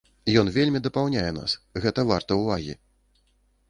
Ён вельмі дапаўняе нас, гэта варта ўвагі!